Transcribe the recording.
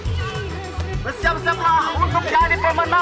siap siap lah untuk jadi pemenang